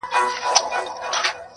دوه یاران سره ملګري له کلونو؛